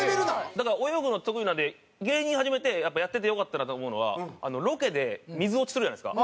だから泳ぐの得意なんで芸人始めてやっぱやっててよかったなと思うのはロケで水落ちするじゃないですか。